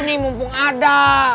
jus lo nih mumpung ada